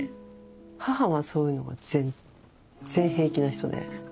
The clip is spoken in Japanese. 母はそういうのは全然平気な人で。